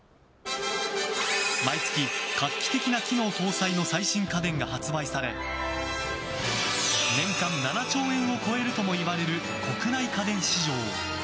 毎月、画期的な機能搭載の最新家電が発売され年間７兆円を超えるともいわれる国内家電市場。